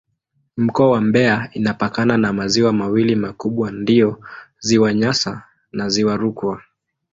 Mkoa wa Mbeya inapakana na maziwa mawili makubwa ndiyo Ziwa Nyasa na Ziwa Rukwa.